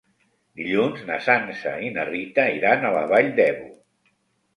Dilluns na Sança i na Rita iran a la Vall d'Ebo.